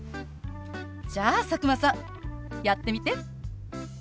じゃあ佐久間さんやってみて。